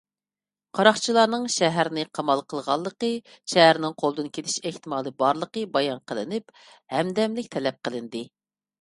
قاراقچىلارنىڭ شەھەرنى قامال قىلغانلىقى، شەھەرنىڭ قولدىن كېتىش ئېھتىمالى بارلىقى بايان قىلىنىپ، ھەمدەملىك تەلەپ قىلىندى.